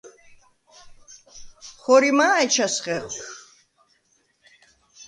ხორიმა̄ ეჩას ხეხვ?